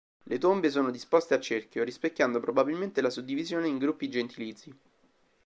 Le tombe sono disposte a cerchio, rispecchiando probabilmente la suddivisione in gruppi gentilizi.